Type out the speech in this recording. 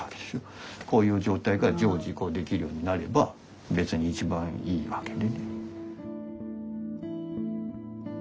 こういう状態が常時できるようになれば別に一番いいわけで。